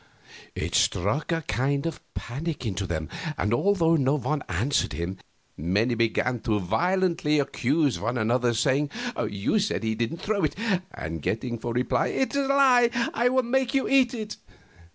It struck a kind of panic into them, and, although no one answered him, many began to violently accuse one another, saying, "You said he didn't throw," and getting for reply, "It is a lie, and I will make you eat it!"